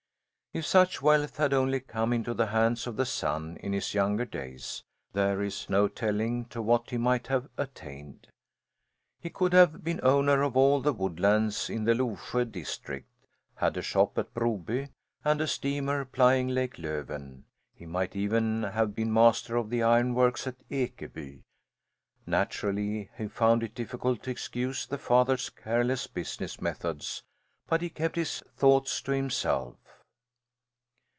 If such wealth had only come into the hands of the son in his younger days, there is no telling to what he might have attained. He could have been owner of all the woodlands in the Lovsjö district, had a shop at Broby, and a steamer plying Lake Löven; he might even have been master of the ironworks at Ekeby. Naturally he found it difficult to excuse the father's careless business methods, but he kept his thoughts to himself.